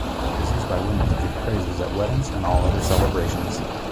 It is used by women to give praises at weddings and all other celebrations.